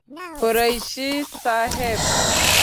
قريشي صاحب